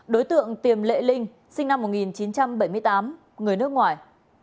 đối tượng tiềm lệ linh sinh năm một nghìn chín trăm bảy mươi tám người nước ngoài